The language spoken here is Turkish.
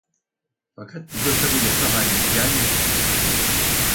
Fakat bu tasarı yasa haline gelmedi.